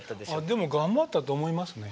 でも頑張ったと思いますね。